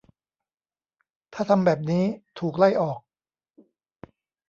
ถ้าทำแบบนี้ ถูกไล่ออก